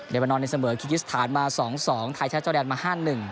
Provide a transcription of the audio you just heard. เลบานอนในเสมอคิกิสธานมา๒๒ไทยชาติเจ้าแดนมา๕๑